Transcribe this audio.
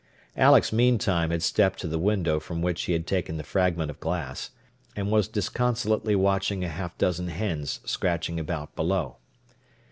Alex meantime had stepped to the window from which he had taken the fragment of glass, and was disconsolately watching a half dozen hens scratching about below.